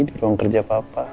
di ruang kerja papa